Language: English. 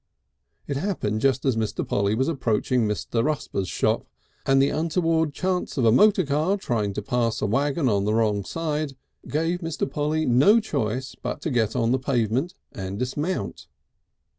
It happened just as Mr. Polly was approaching Mr. Rusper's shop, and the untoward chance of a motor car trying to pass a waggon on the wrong side gave Mr. Polly no choice but to get on to the pavement and dismount.